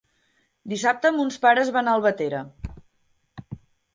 Dissabte mons pares van a Albatera.